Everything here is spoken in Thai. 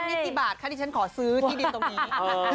แปลง๑๐บาทที่ฉันขอซื้อที่ดินตรงนี้